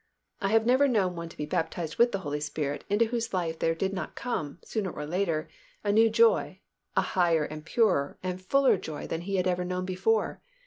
I have never known one to be baptized with the Holy Spirit into whose life there did not come, sooner or later, a new joy, a higher and purer and fuller joy than he had ever known before.